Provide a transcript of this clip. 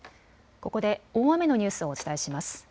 ここで大雨のニュースをお伝えします。